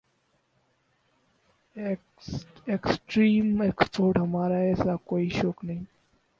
extreme sports ہمارا ایسا کوئی شوق نہیں